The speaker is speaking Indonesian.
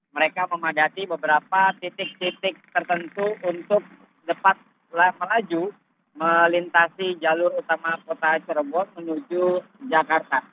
mereka memadati beberapa titik titik tertentu untuk dapat melaju melintasi jalur utama kota cirebon menuju jakarta